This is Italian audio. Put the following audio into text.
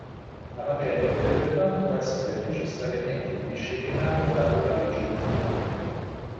La materia deve pertanto essere necessariamente disciplinata da una legge ordinaria.